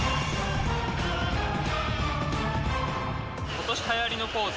今年流行りのポーズ。